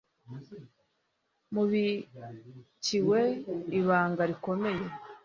mubikiwe ibanga rikomeye.